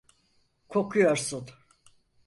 Kokuyorsun!